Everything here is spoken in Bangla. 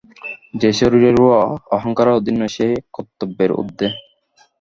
যে শরীর ও অহংকারের অধীন নয়, সেই কর্তব্যের ঊর্ধ্বে।